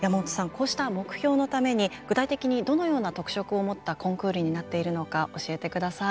こうした目標のために具体的にどのような特色を持ったコンクールになっているのか教えて下さい。